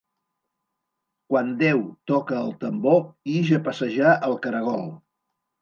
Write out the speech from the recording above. Quan Déu toca el tambor ix a passejar el caragol.